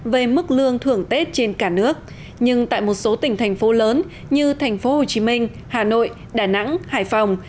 về mức lương thưởng tết trên cả nước nhưng tại một số tỉnh thành phố lớn như thành phố hồ chí minh hà nội đà nẵng hải phòng